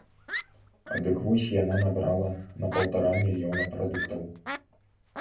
Дык вось яна набрала на паўтара мільёна прадуктаў.